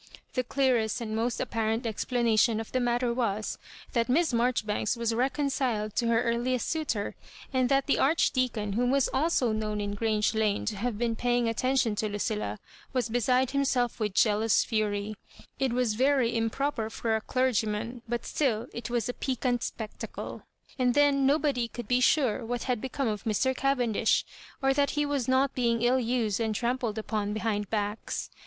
The clearest and most apparent explanation of the matter was, that Miss Marjoribanks was re conciled to her earliest suitor, and that the Arch deacon, who was also known in Grange Lane to have been paying attention to Lucilla, was beside himself with jealous fuiy; It was very improper for a clergyman, but still it was a piquant spec tacle — and then nobody could be sure what had become of Mr. Cavendish, or that he was not being ill used and trampled upon behind backs.